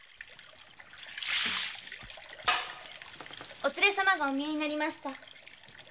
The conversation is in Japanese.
お連れ様がお見えになりました。